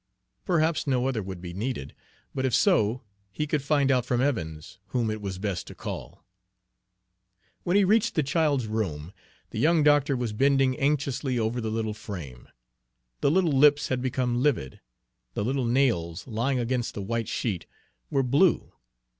Perhaps no other would be needed, but if so, he could find out from Evans whom it was best to call. When he reached the child's room, the young doctor was bending anxiously over the little frame. The little lips had become livid, the little nails, lying against the white sheet, were blue.